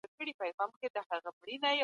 سياستپوهنه د تيوريو ټولګه ده نه عملي کړنې.